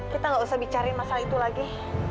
kita nggak usah bicara masalah itu lagi